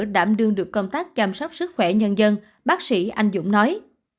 đảm đương được công tác chăm sóc sức khỏe nhân dân bác sĩ anh dũng nói